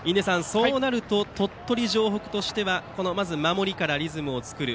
そうなると鳥取城北としては守りからリズムを作る。